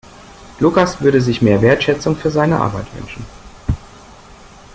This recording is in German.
Lukas würde sich mehr Wertschätzung für seine Arbeit wünschen.